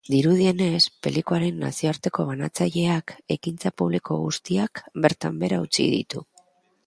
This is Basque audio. Dirudienez, pelikularen nazioarteko banatzaileak ekintza publiko guztiak bertan behera utzi ditu.